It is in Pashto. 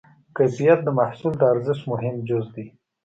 کیفیت د محصول د ارزښت مهم جز دی.